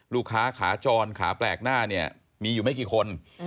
ลูกค้าขาจรขาแปลกหน้ามีอยู่ไม่กี่คน